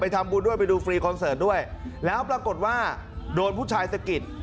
ทำบุญด้วยไปดูฟรีคอนเสิร์ตด้วยแล้วปรากฏว่าโดนผู้ชายสะกิด